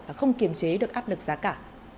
và không kiềm chế được áp lực giá cả